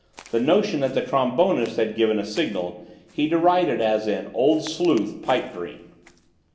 The notion that the trombonist had given a signal he derided as an "Old Sleuth pipe dream."